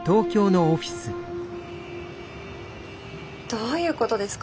どういうことですか？